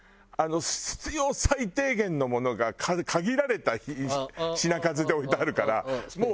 必要最低限のものが限られた品数で置いてあるからもう。